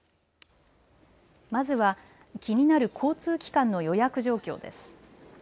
まずは気になる交通機関の予約状況です。